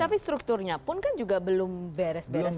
tapi strukturnya pun kan juga belum beres beres